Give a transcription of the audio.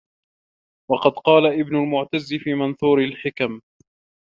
وَقَدْ قَالَ ابْنُ الْمُعْتَزِّ فِي مَنْثُورِ الْحِكَمِ